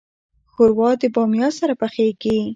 ښوروا د بامیا سره پخیږي.